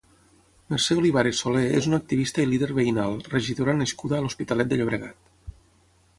Mercè Olivares Soler és una activista i líder veïnal, regidora nascuda a l'Hospitalet de Llobregat.